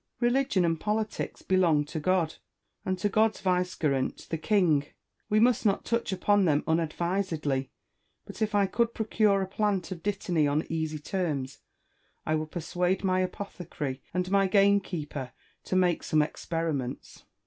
Religion and politics belong to God, and to God's vicegerent the King ; we must not touch upon them unadvisedly : but if I could procure a plant of dittany on easy terms, I would persuade my apothecary and my gamekeeper to make some experiments.